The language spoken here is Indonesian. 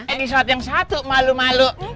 eh di saat yang satu malu malu